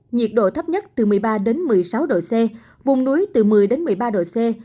nhiệt độ thấp nhất từ một mươi ba đến một mươi sáu độ c vùng núi từ một mươi một mươi ba độ c